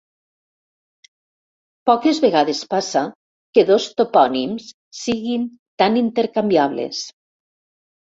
Poques vegades passa que dos topònims siguin tan intercanviables.